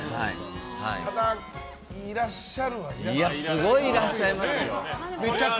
ただ、いらっしゃるはいらっしゃる。